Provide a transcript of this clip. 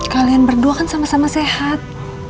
kalian berdua kan sama sama sehat